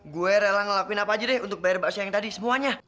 gue rela ngelakuin apa aja deh untuk bayar bakso yang tadi semuanya